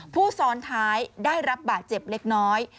ซ้อนท้ายได้รับบาดเจ็บเล็กน้อย